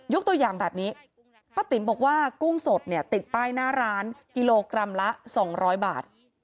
ตัวอย่างแบบนี้ป้าติ๋มบอกว่ากุ้งสดเนี่ยติดป้ายหน้าร้านกิโลกรัมละ๒๐๐บาท